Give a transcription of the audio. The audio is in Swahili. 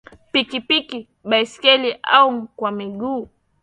pikipiki baisketi au kwa miguu